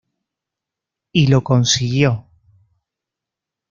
Y lo consiguió.